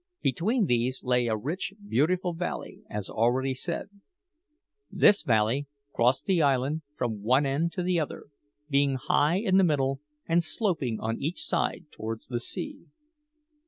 Between these lay a rich, beautiful valley, as already said. This valley crossed the island from one end to the other, being high in the middle and sloping on each side towards the sea.